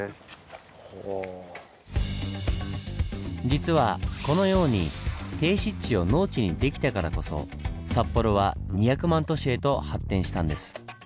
実はこのように低湿地を農地にできたからこそ札幌は２００万都市へと発展したんです。